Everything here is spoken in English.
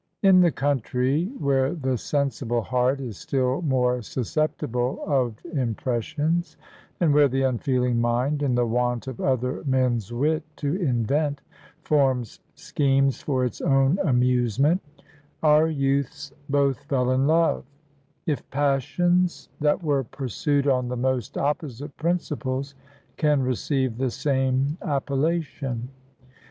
In the country where the sensible heart is still more susceptible of impressions; and where the unfeeling mind, in the want of other men's wit to invent, forms schemes for its own amusement our youths both fell in love: if passions, that were pursued on the most opposite principles, can receive the same appellation.